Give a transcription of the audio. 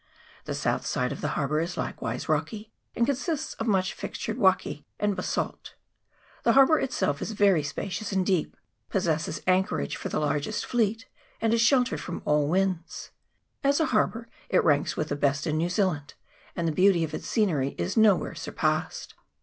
The south side of the harbour is likewise rocky, and consists of much fissured wakke and basalt. The harbour itself is very spacious and deep, possesses anchorage for the largest fleet, and is sheltered from all winds. As ;i harbour it ranks with the best in New Zealand, and the beauty of its scenery is nowhere surpassed.